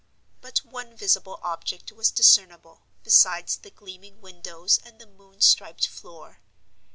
But one visible object was discernible, besides the gleaming windows and the moon striped floor.